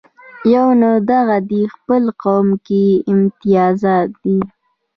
یونه دغه دې خپل قوم کې امتیازات دي.